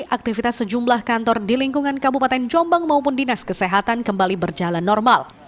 aktivitas sejumlah kantor di lingkungan kabupaten jombang maupun dinas kesehatan kembali berjalan normal